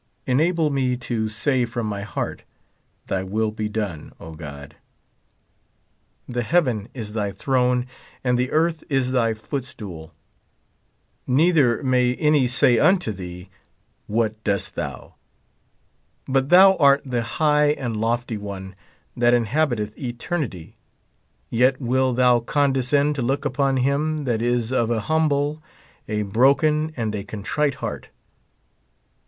Enable me to say from my heart, Thy will be done, O God. The heaven is thy throne and the earth is thy footstool ; neither may any say unto thee, wliat doest thou ? But thou art the high and lofty One that inhabiteth eternity, yet will thou condescend to look upon him that is of a humble, a broken, and a contrite heart.